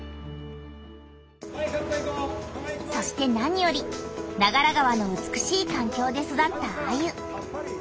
そしてなにより長良川の美しいかんきょうで育ったアユ。